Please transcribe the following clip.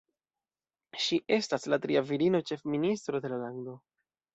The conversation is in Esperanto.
Ŝi estas la tria virino-ĉefministro de la lando.